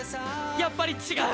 やっぱり違う！